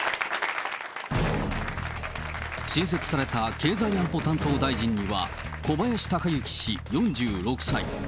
新設された経済安保担当大臣には小林鷹之氏４６歳。